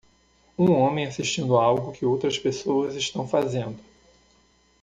Um homem assistindo algo que outras pessoas estão fazendo.